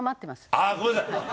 あっごめんなさい！